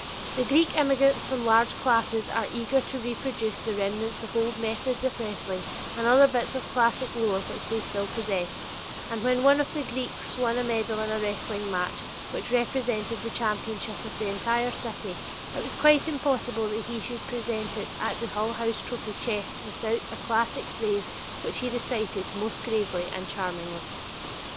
The Greek immigrants form large classes and are eager to reproduce the remnants of old methods of wrestling, and other bits of classic lore which they still possess, and when one of the Greeks won a medal in a wrestling match which represented the championship of the entire city, it was quite impossible that he should present it to the Hull House trophy chest without a classic phrase which he recited most gravely and charmingly.